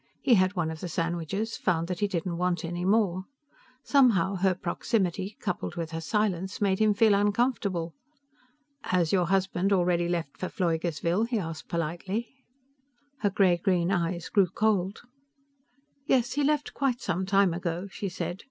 He had one of the sandwiches, found that he didn't want any more. Somehow, her proximity, coupled with her silence, made him feel uncomfortable. "Has your husband already left for Pfleugersville?" he asked politely. Her gray green eyes grew cold. "Yes, he left quite some time ago," she said.